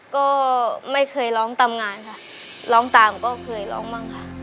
ก็ไม่เคยร้องตามงานค่ะร้องตามก็เคยร้องบ้างค่ะ